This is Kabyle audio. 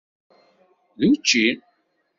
Wa d učči.